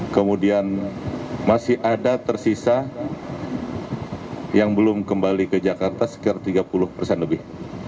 kemudian masih ada tersisa yang belum kembali ke jakarta sekitar tiga puluh persen lebih